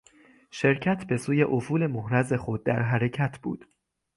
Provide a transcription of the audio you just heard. شرکت به سوی افول محرز خود در حرکت بود.